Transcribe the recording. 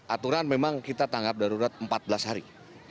aturan memang kita tanggap darurat empat belas hari